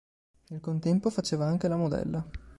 Nel contempo, faceva anche la modella.